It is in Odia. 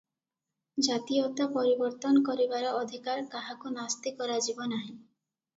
ଜାତୀୟତା ପରିବର୍ତ୍ତନ କରିବାର ଅଧିକାର କାହାକୁ ନାସ୍ତି କରାଯିବ ନାହିଁ ।